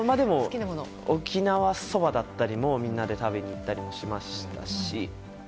沖縄そばだったりも、みんなで食べに行ったりもしましたし。